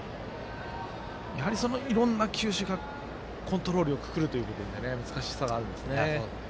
いろんな球種がコントロールよくくるということで難しさがありますね。